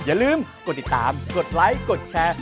อย่าลืมกดติดตามกดไลค์กดแชร์